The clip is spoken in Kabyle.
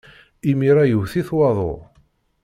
Imir-a iwet-it waḍu.